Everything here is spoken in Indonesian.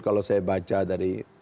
kalau saya baca dari